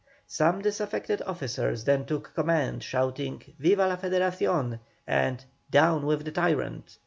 Some disaffected officers then took command, shouting, "Viva la Federacion!" and "Down with the tyrant!"